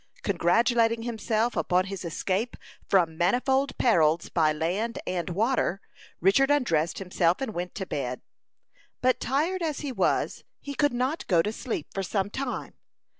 Congratulating himself upon his escape from manifold perils by land and water, Richard undressed himself and went to bed. But tired as he was, he could not go to sleep for some time.